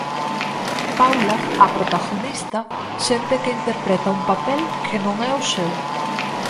Paula, a protagonista, sente que interpreta un papel que non é o seu.